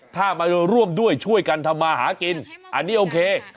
ถ้ามาร่วมด้วยช่วยกันทำมาหากินอันนี้โอเค